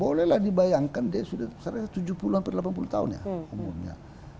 bolehlah dibayangkan dia sudah tujuh puluh delapan puluh tahun ya umumnya